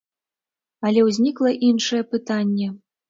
Але ўзнікла іншае пытанне.